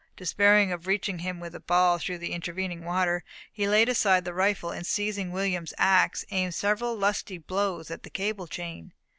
Despairing of reaching him with a ball through the intervening water, he laid aside the rifle, and seizing William's ax, aimed several lusty blows at the cable chain.